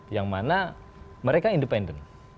yang mana mereka independen